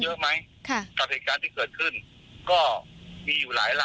มีคนโทรมาถามผมเยอะไหมกับเหตุการณ์ที่เกิดขึ้นก็มีอยู่หลายนะครับ